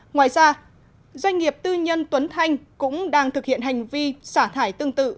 ngoài ra doanh nghiệp tư nhân tuấn thanh cũng đang thực hiện hành vi xả thải tương tự